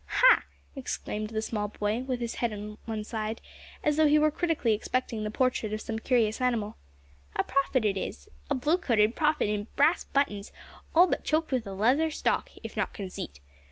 "Ha!" exclaimed the small boy, with his head a little on one side, as though he were critically inspecting the portrait of some curious animal, "a prophet it is a blue coated prophet in brass buttons, all but choked with a leather stock if not conceit.